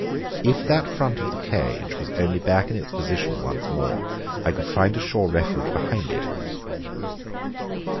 If that front of the cage was only back in its position once more, I could find a sure refuge behind it.